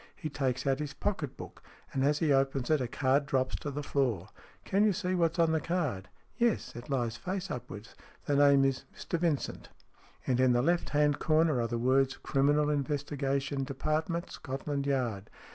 He takes out his pocket book, and as he opens it a card drops to the floor." " Can you see what's on the card ?" "Yes. It lies face upwards. The name is ' Mr Vincent.' And in the left hand corner are the words 'Criminal Investigation Department, Scotland Yard.'